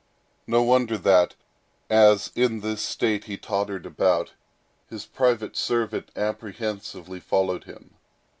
No wonder that, as in this state he tottered about, his private servant apprehensively followed him.